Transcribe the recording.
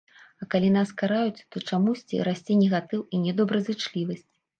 А калі нас караюць, то чамусьці расце негатыў і нядобразычлівасць.